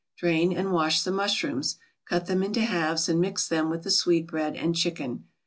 Drain and wash the mushrooms, cut them into halves and mix them with the sweetbread and chicken.